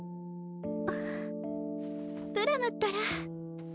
ああプラムったら。